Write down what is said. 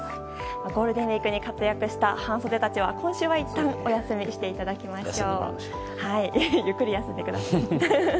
ゴールデンウィークに活躍した半袖たちは今週は、いったんお休みしていただきましょう。